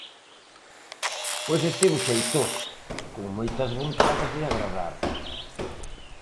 Pois estivo xeitoso, con moitas vontades de agradar.